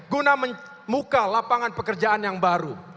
guna membuka lapangan pekerjaan yang baru